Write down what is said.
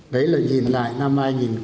đấy là nhìn lại năm hai nghìn một mươi tám